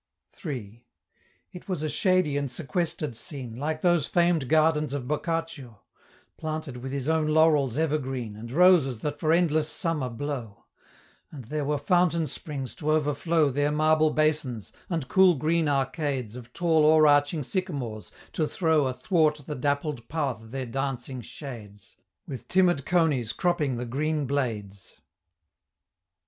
III. It was a shady and sequester'd scene, Like those famed gardens of Boccaccio, Planted with his own laurels evergreen, And roses that for endless summer blow; And there were fountain springs to overflow Their marble basins, and cool green arcades Of tall o'erarching sycamores, to throw Athwart the dappled path their dancing shades, With timid coneys cropping the green blades.